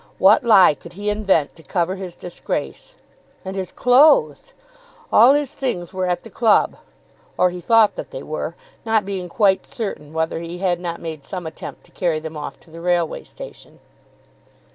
What lie could he invent to cover his disgrace? And his clothes! All his things were at the club; or he thought that they were, not being quite certain whether he had not made some attempt to carry them off to the Railway Station.